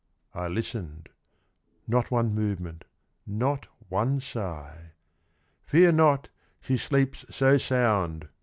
I listened, — not one movement, not one sigh. ' Fear not : she sleeps so sound